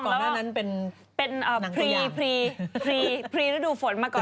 ก่อนหน้านั้นเป็นหนังตัวอย่างเป็นพรีระดูฝนมาก่อน